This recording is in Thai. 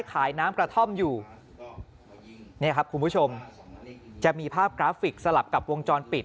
ขายน้ำกระท่อมอยู่เนี่ยครับคุณผู้ชมจะมีภาพกราฟิกสลับกับวงจรปิด